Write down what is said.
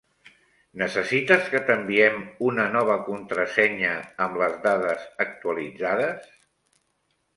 Necessites que t'enviem una nova contrasenya amb les dades actualitzades?